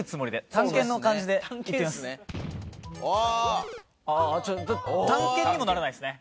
探検にもならないですね。